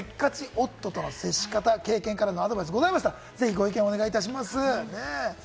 夫との接し方、経験からのアドバイスございましたら、ぜひご意見をお願いします。